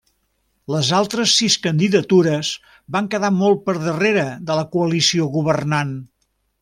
Les altres sis candidatures van quedar molt per darrere de la coalició governant.